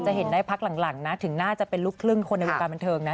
เห็นได้พักหลังนะถึงน่าจะเป็นลูกครึ่งคนในวงการบันเทิงนะ